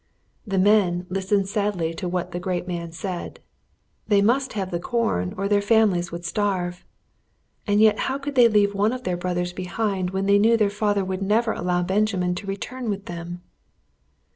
The men listened sadly to what the great man said. They must have the corn or their families would starve. And yet how could they leave one of their brothers behind when they knew their father would never allow Benjamin to return with them.